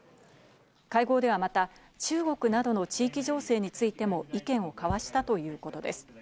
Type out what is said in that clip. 会合ではまた、中国などの地域情勢についても意見を交わしたということです。